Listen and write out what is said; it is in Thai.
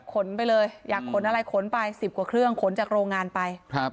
ขนไปเลยอยากขนอะไรขนไป๑๐กว่าเครื่องขนจากโรงงานไป